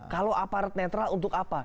kalau aparat netral untuk apa